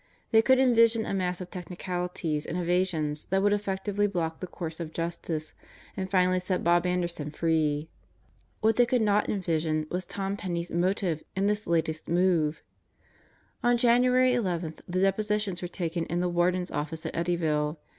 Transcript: They could envision a mass of technicalities and evasions that would effectively block the course of justice and finally set Bob Ander son free. What they could not envision was Tom Penney's motive in this latest move. On January 11 the depositions were taken in the Warden's office at Eddyville.